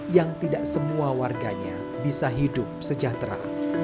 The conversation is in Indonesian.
yang tidak semua warganya bisa hidup sejahtera